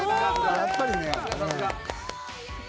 やっぱりね。